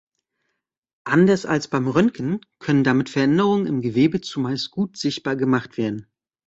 Anders als beim Röntgen können damit Veränderungen im Gewebe zumeist gut sichtbar gemacht werden.